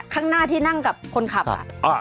ข้างหน้าที่นั่งกับคนขับ